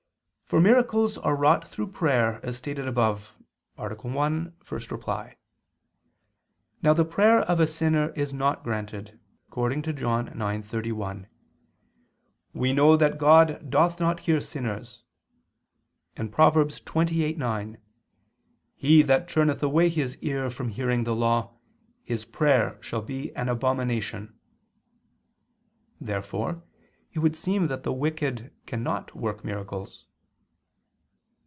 For miracles are wrought through prayer, as stated above (A. 1, ad 1). Now the prayer of a sinner is not granted, according to John 9:31, "We know that God doth not hear sinners," and Prov. 28:9, "He that turneth away his ear from hearing the law, his prayer shall be an abomination." Therefore it would seem that the wicked cannot work miracles.